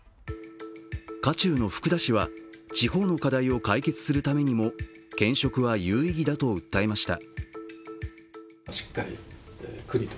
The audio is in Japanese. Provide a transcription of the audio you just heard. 渦中の福田氏は地方の課題を解決するためにも兼職は有意義だと訴えました。